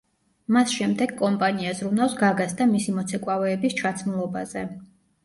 მას შემდეგ კომპანია ზრუნავს გაგას და მისი მოცეკვავეების ჩაცმულობაზე.